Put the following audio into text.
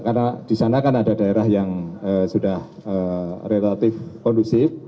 karena di sana kan ada daerah yang sudah relatif kondusif